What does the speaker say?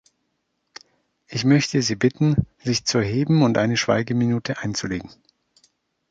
Ich möchte Sie bitten, sich zu erheben und eine Schweigeminute einzulegen.